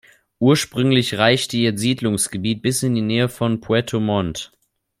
Ursprünglich reichte ihr Siedlungsgebiet bis in die Nähe von Puerto Montt.